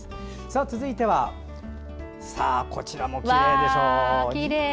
続いてはこちらもきれいでしょう？